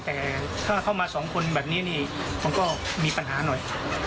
แต่ถ้าเข้ามาสองคนแบบนี้นี่มันก็มีปัญหาหน่อย